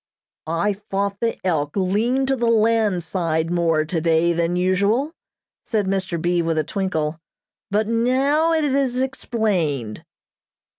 "I thought the 'Elk' leaned to the land side more today than usual," said Mr. B. with a twinkle, "but now it is explained."